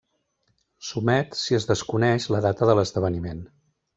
S'omet si es desconeix la data de l'esdeveniment.